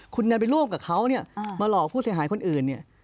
คุณเนี่ยไปร่วมกับเขามาหลอกผู้เสียหายคนอื่น